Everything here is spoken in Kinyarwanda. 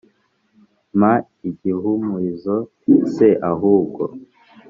mpa igihumurizo se ahubwo,